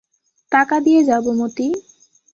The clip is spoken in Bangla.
টাকা দিয়ে যাব মতি।